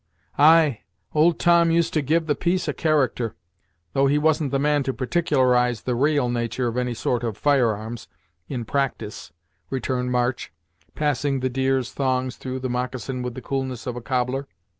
"Ay, Old Tom used to give the piece a character, though he wasn't the man to particularize the ra'al natur' of any sort of fire arms, in practise," returned March, passing the deer's thongs through the moccasin with the coolness of a cobbler.